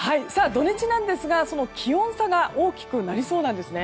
土日なんですがその気温差が大きくなりそうです。